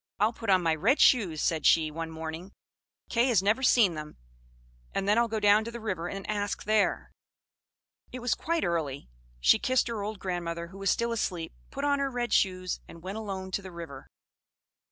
"I'll put on my red shoes," said she, one morning; "Kay has never seen them, and then I'll go down to the river and ask there." It was quite early; she kissed her old grandmother, who was still asleep, put on her red shoes, and went alone to the river.